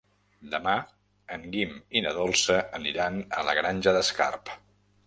Demà en Guim i na Dolça aniran a la Granja d'Escarp.